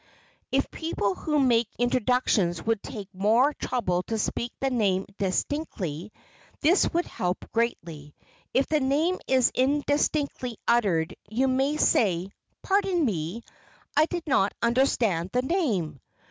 If people who make introductions would take more trouble to speak the name distinctly, this would help greatly. If the name is indistinctly uttered you may say, "Pardon me, I did not understand the name?"